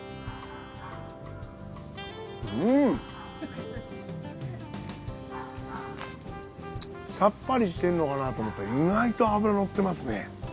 うん！さっぱりしてるのかなと思ったら意外と脂のってますね。